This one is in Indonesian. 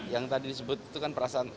yang tadi disebut itu kan perasaan